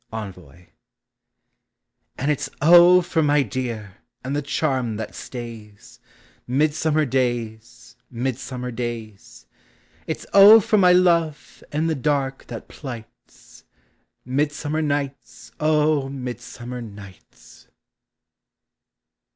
ENVOY. And it 's oh! for my dear, and the charm that stays — Midsummer days! midsummer days! It 's oh! for my love, and the dark thai plights Midsummer nights! () midsummer aights!